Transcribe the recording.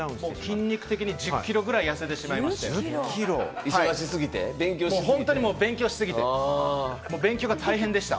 筋肉的に１０キロぐらい痩せてしまって、本当に勉強しすぎて勉強が大変でした。